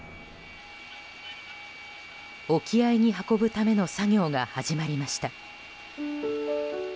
沖合に運ぶための作業が始まりました。